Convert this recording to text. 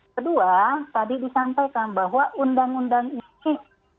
kedua tadi disampaikan bahwa undang undang ini